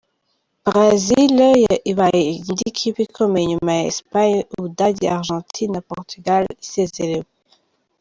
Brazil ibaye indi kipe ikomeye nyuma ya Espagne, u Budage, Argentine, na Portugal isezerewe.